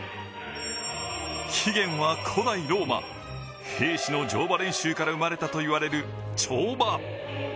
起源は古代ローマ、兵士の乗馬練習から生まれたと言われる跳馬。